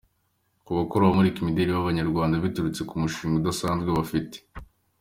ku bakora Abamurika imideli b’Abanyarwanda. Biturutse ku mushinga udasanzwe bafite.